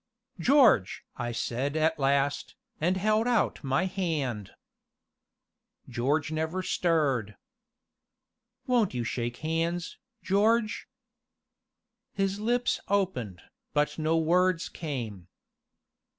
"George!" said I at last, and held out my hand George never stirred. "Won't you shake hands, George?" His lips opened, but no words came.